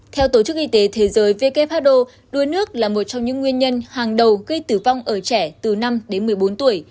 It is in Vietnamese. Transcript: theo tổ chức y tế thế giới who đuối nước là một trong những nguyên nhân hàng đầu gây tử vong ở trẻ từ năm đến một mươi bốn tuổi